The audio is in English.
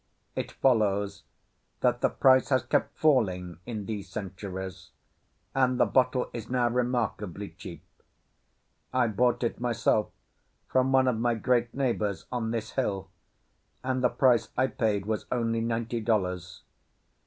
It follows that the price has kept falling in these centuries, and the bottle is now remarkably cheap. I bought it myself from one of my great neighbours on this hill, and the price I paid was only ninety dollars.